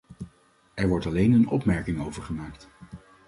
Er wordt alleen een opmerking over gemaakt.